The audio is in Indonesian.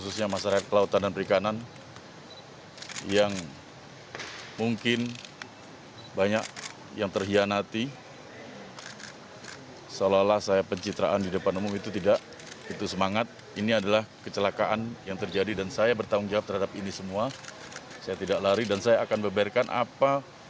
saya tidak lari dan saya akan beberkan apa